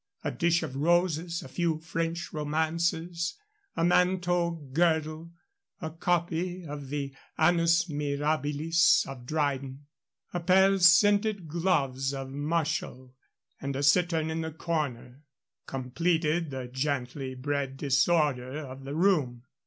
A dish of roses, a few French romances, a manteau girdle, a copy of the Annus Mirabilis of Dryden, a pair of scented gloves of Martial, and a cittern in the corner completed the gently bred disorder of the room.